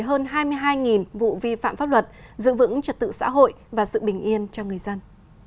hơn hai mươi hai vụ vi phạm pháp luật giữ vững trật tự xã hội và sự bình yên cho người dân